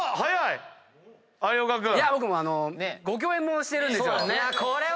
僕ご共演してるんですよ。